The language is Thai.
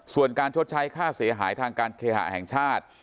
ส่วนการชดใช้ค่าเสียหายทางการเคหะแห่งชาติ